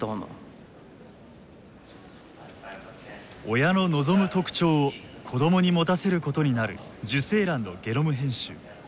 親の望む特徴を子供に持たせることになる受精卵のゲノム編集。